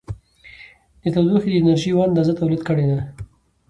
د تودوخې د انرژي یوه اندازه تولید کړې ده.